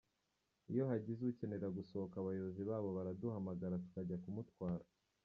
Iyo hagize ukenera gusohoka abayobozi babo baraduhamagara tukajya kumutwara.